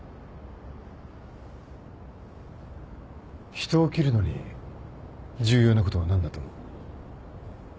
人を切るのに重要なことは何だと思う？